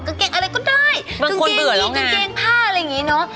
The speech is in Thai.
กางเกงผ้าอะไรอย่างนี้เนอะ